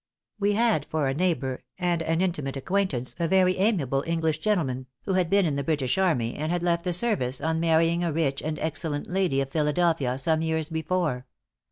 "We had for a neighbor, and an intimate acquaintance, a very amiable English gentleman, who had been in the British army, and had left the service on marrying a rich and excellent lady of Philadelphia, some years before.